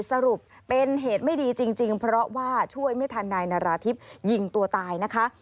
สรุปเป็นเหตุไม่ดีจริงเพราะว่าช่วยไม่ทันนายนาราธิบยิงตัวตายนะคะ